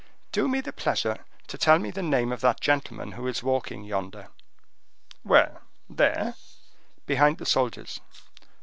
"Do me the pleasure to tell me the name of that gentleman who is walking yonder." "Where, there?" "Behind the soldiers."